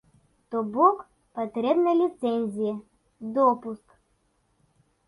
То бок патрэбныя ліцэнзія, допуск.